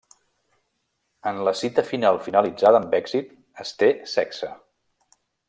En la cita final finalitzada amb èxit es té sexe.